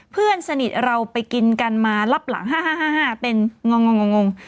เพื่อนสนิทเราไปกินกันมารับหลัง๕๕เป็นงง